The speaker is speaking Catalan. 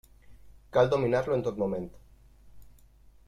Cal dominar-lo en tot moment.